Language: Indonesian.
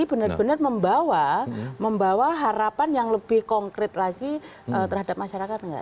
benar benar membawa harapan yang lebih konkret lagi terhadap masyarakat